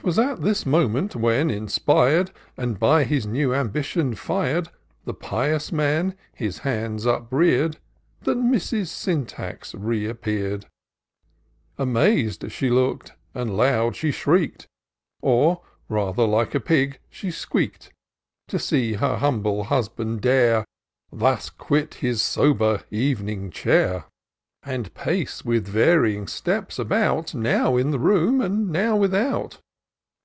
'Twas at this moment, when, inspir'd. And by his new ambition fir'd. The pious man his hands uprear'd. That Mrs. Syntax re appear'd : Amaz'd she look'd, and loud she shriek'd. Or, rather like a pig she squeak'd, IN SEARCH OF THE PICTURESQUE. To see her humble husband dare Thus quit his sober ev'ning chair, And pace, with varying steps, about, Now in the room, and now without.